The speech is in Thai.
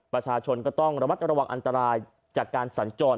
ประชาชนก็ต้องระมัดระวังอันตรายจากการสัญจร